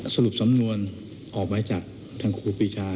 สรุปสำนวนออกหมายจับทางครูปีชา